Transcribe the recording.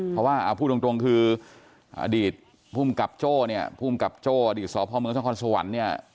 เพราะว่าพูดตรงคืออดีตภูมิกับโจ้อดีตศพเมืองชคสวรรค์